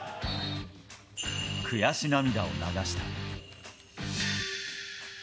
悔し涙を流した。